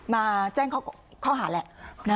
มาแจ้งข้อหาแหละ